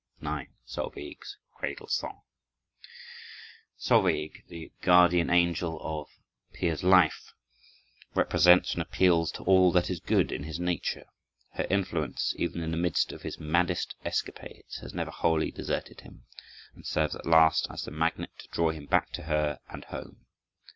9. Solveig's Cradle Song Solveig, the guardian angel of Peer's life, represents and appeals to all that is good in his nature. Her influence, even in the midst of his maddest escapades, has never wholly deserted him, and serves at last as the magnet to draw him back to her and home.